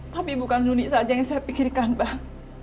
tapi bukan nunik saja yang saya pikirkan pak